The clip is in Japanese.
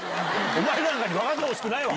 ⁉おまえに分かってほしくないわ！